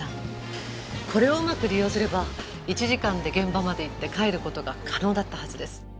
これをうまく利用すれば１時間で現場まで行って帰る事が可能だったはずです。